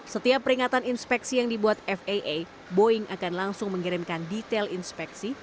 setiap peringatan inspeksi yang dibuat faa boeing akan langsung mengirimkan detail inspeksi